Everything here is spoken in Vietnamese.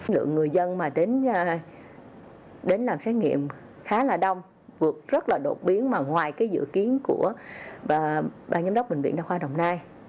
lượng người dân mà đến làm xét nghiệm khá là đông vượt rất là đột biến mà ngoài cái dự kiến của ban giám đốc bệnh viện đa khoa đồng nai